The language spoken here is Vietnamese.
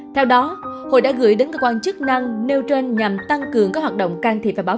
theo đó hội đã gửi đến cơ quan chức năng nêu trên nhằm tăng cường các hoạt động can thiệp và bảo